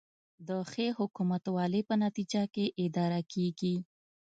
د ښې حکومتولې په نتیجه کې اداره کیږي